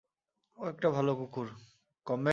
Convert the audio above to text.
ও একটা ভালো কুকুর।